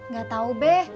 gak tau be